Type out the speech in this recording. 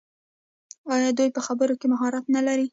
آیا دوی په خبرو کې مهارت نلري؟